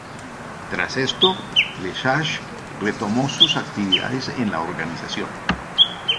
Tras esto, Lesage retomó sus actividades en la organización.